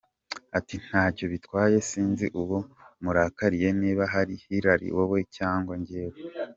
Ati “Ntacyo bitwaye, sinzi uwo murakariye niba ari Hillary, wowe cyangwa njyewe.